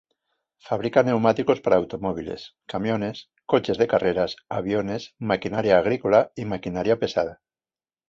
Fabrica neumáticos para automóviles, camiones, coches de carreras, aviones, maquinaria agrícola y maquinaria pesada.